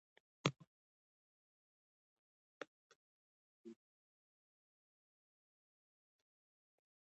آیا غریبان تل قرباني کېږي؟